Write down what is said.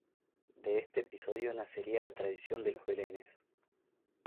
De este episodio nacería la tradición de los belenes.